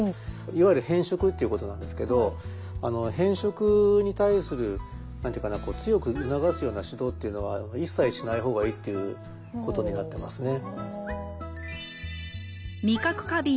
いわゆる偏食っていうことなんですけど偏食に対する何て言うかな強く促すような指導っていうのは一切しない方がいいっていうことになってますね。